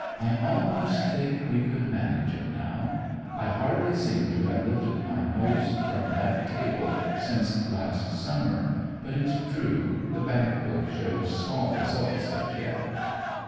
I almost think we could manage it now. I hardly seem to have lifted my nose from that table since last summer; but it's true the bank book shows small results as yet."